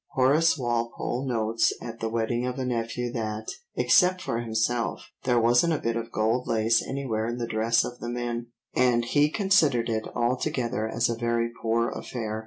Horace Walpole notes at the wedding of a nephew that, except for himself, there wasn't a bit of gold lace anywhere in the dress of the men, and he considered it altogether as a very poor affair.